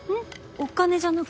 お金じゃなく？